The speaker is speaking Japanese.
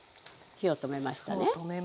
火を止めました。